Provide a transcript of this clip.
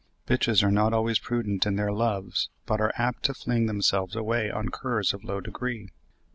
Bitches are not always prudent in their loves, but are apt to fling themselves away on curs of low degree.